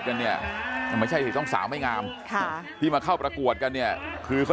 กันเนี่ยไม่ใช่สิต้องสาวไม่งามค่ะที่มาเข้าประกวดกันเนี่ยคือเขา